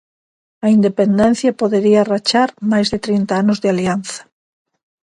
A independencia podería rachar máis de trinta anos de alianza.